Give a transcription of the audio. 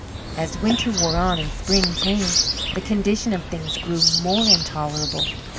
As winter wore on and spring came, the condition of things grew more intolerable.